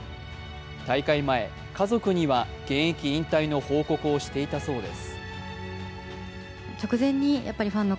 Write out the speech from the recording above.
大会前、家族には現役引退の報告をしていたそうです。